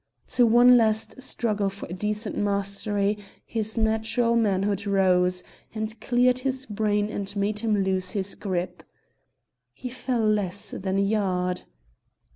To one last struggle for a decent mastery his natural manhood rose, and cleared his brain and made him loose his grip. He fell less than a yard!